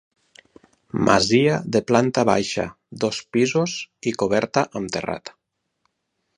Masia de planta baixa, dos pisos i coberta amb terrat.